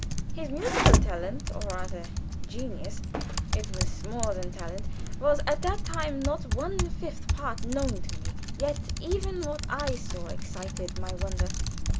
His musical talent or rather genius, it was more than talent was at that time not one fifth part known to me, yet even what I saw excited my wonder.